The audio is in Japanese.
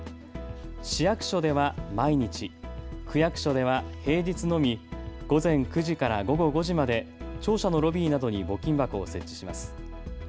市役所では毎日、区役所では平日のみ午前９時から午後５時まで庁舎のロビーなどに募金箱を設置します。